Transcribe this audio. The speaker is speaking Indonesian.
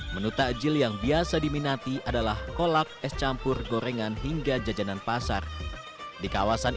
menu takjil yang biasa diminati adalah kolak es campur gorengan hingga jajanan pasar di kawasan